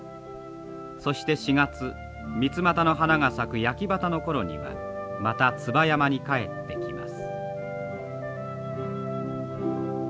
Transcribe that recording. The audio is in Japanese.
そして４月ミツマタの花が咲く焼畑の頃にはまた椿山に帰ってきます。